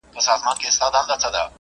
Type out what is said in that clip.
د مېرمني د کار کولو بل مهم شرط کوم دی؟